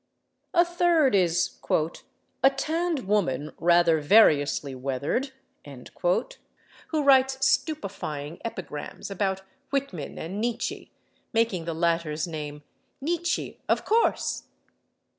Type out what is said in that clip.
A third is "a tanned woman rather variously weathered," who writes stupefying epigrams about Whitman and Nietzsche—making the latter's name Nietschze, of course!